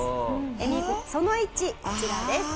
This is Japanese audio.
その１こちらです。